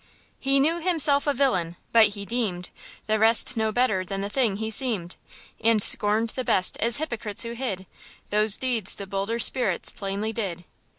"He knew himself a villain, but he deemed The rest no better than the thing he seemed; And scorned the best as hypocrites who hid Those deeds the bolder spirits plainly did.